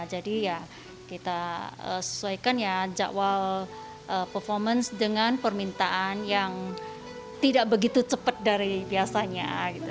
jadi ya kita sesuaikan ya jakwal performance dengan permintaan yang tidak begitu cepat dari biasanya